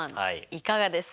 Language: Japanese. いかがですか？